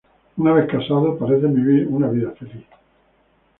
Una vez casados, parecen vivir una vida feliz.